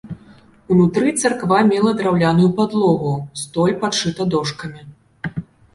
Унутры царква мела драўляную падлогу, столь падшыта дошкамі.